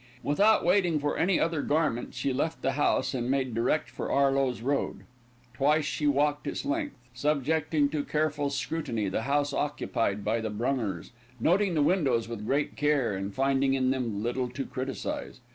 Without waiting for any other garment, she left the house and made direct for Arloes Road. Twice she walked its length, subjecting to a careful scrutiny the house occupied by the Brungers, noting the windows with great care, and finding in them little to criticise.